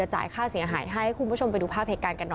จะจ่ายค่าเสียหายให้คุณผู้ชมไปดูภาพ